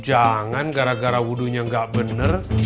jangan gara gara wudhunya gak bener